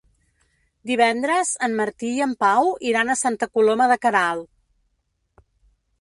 Divendres en Martí i en Pau iran a Santa Coloma de Queralt.